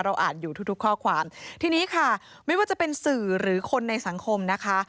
อ่านอยู่ทุกทุกข้อความทีนี้ค่ะไม่ว่าจะเป็นสื่อหรือคนในสังคมนะคะ